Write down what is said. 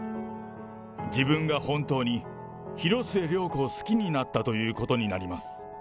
自分が本当に広末涼子を好きになったということになります。